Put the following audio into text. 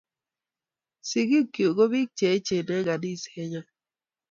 Sigig chuk kobiik che echen eng kaniset nyojn